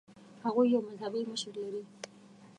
هغوی یو مذهبي مشر لري.